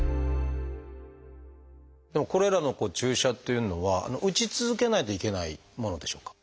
これらの注射っていうのは打ち続けないといけないものでしょうか？